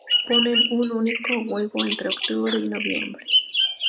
Ponen un único huevo entre octubre y noviembre.